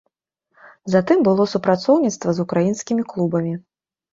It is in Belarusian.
Затым было супрацоўніцтва з украінскімі клубамі.